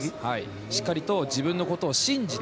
しっかりと自分のことを信じて。